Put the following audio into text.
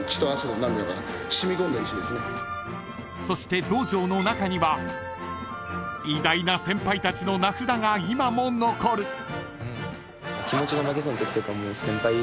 ［そして道場の中には偉大な先輩たちの名札が今も残る］